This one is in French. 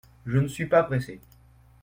Je ne suis pas pressé.